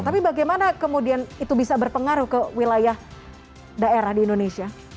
tapi bagaimana kemudian itu bisa berpengaruh ke wilayah daerah di indonesia